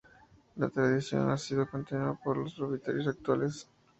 La tradición ha sido continuada por los propietarios actuales.